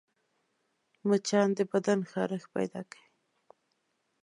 مچان د بدن خارښت پیدا کوي